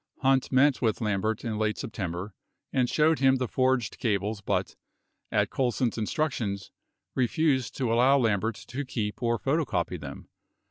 48 Hunt met with Lambert in late September and showed him the forged cables but, at Colson's instructions, refused to allow Lambert to keep or photocopy them.